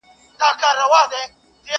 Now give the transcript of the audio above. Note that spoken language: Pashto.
o هر بنده، خپله ئې کرونده!